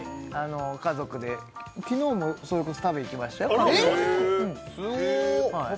家族で昨日もそれこそ食べ行きましたよえっすごっ！